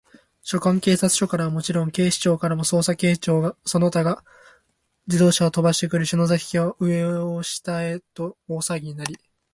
所轄警察署からはもちろん、警視庁からも、捜査係長その他が自動車をとばしてくる、篠崎家は、上を下への大さわぎになりました。